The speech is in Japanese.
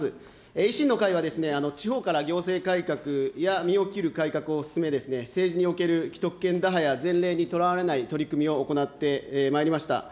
維新の会はですね、地方から行政改革や、身を切る改革を進め、政治における既得権打破や、前例にとらわれない取り組みを行ってまいりました。